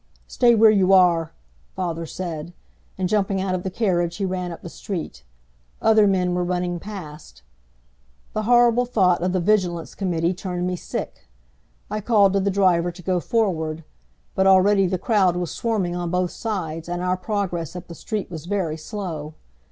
"Stay where you are," father said, and jumping out of the carriage, he ran up the street. Other men were running past. The horrible thought of the vigilance committee turned me sick. I called to the driver to go forward, but, already the crowd was swarming on both sides and our progress up the street was very slow.